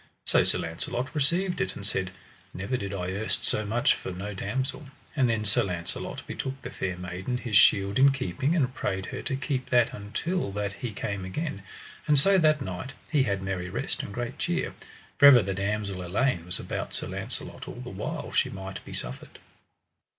So Sir Launcelot received it, and said: Never did I erst so much for no damosel. And then Sir Launcelot betook the fair maiden his shield in keeping, and prayed her to keep that until that he came again; and so that night he had merry rest and great cheer, for ever the damosel Elaine was about Sir Launcelot all the while she might be suffered.